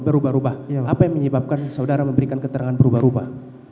berubah ubah apa yang menyebabkan saudara memberikan keterangan berubah ubah